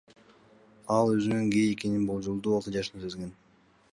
Ал өзүнүн гей экенин болжолдуу алты жашында сезген.